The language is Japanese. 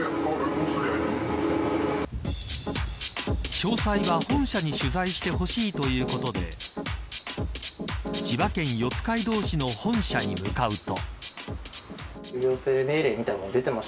詳細は本社に取材してほしいということで千葉県四街道市の本社に向かうと。